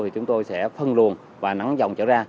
chúng tôi sẽ phân luồn và nắng dòng trở ra